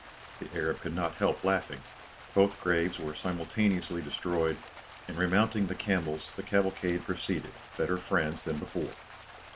The Arab could not help laughing, both graves were simultaneously destroyed, and remounting the camels, the cavalcade proceeded, better friends than before.